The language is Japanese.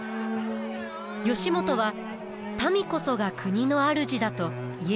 義元は民こそが国の主だと家康に教えました。